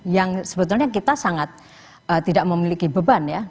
yang sebetulnya kita sangat tidak memiliki beban ya